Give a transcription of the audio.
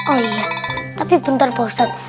oh iya tapi bentar bosok